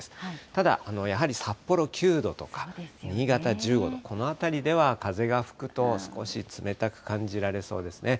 ただ、やはり札幌９度とか、新潟１５度、この辺りでは、風が吹くと、少し冷たく感じられそうですね。